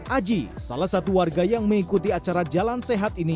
aji salah satu warga yang mengikuti acara jalan sehat ini